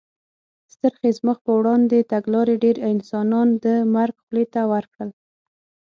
ستر خېز مخ په وړاندې تګلارې ډېر انسانان د مرګ خولې ته ور کړل.